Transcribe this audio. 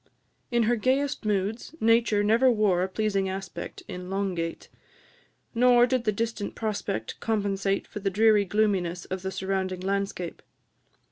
In her gayest moods, Nature never wore a pleasing aspect in Long gate, nor did the distant prospect compensate for the dreary gloominess of the surrounding landscape.